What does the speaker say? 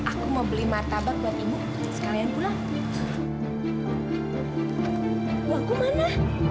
sampai jumpa di video selanjutnya